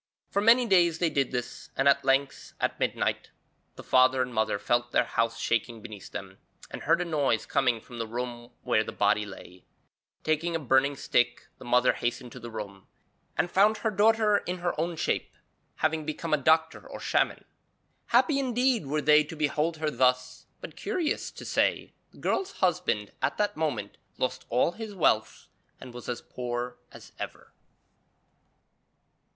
For many days they did this, and at length, at midnight, the father and mother felt their house shaking beneath them, and heard a noise coming from the room where the body lay. Taking a burning stick, the mother hastened to the room, and found her daughter in her own shape, having become a doctor or shaman. Happy indeed were they to behold her thus; but, curious to say, the girl's husband at that moment lost all his wealth and was as poor as ever.